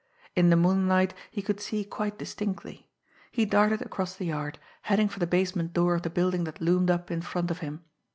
In the moonlight he could see quite distinctly. He darted across the yard, heading for the basement door of the building that loomed up in front of him.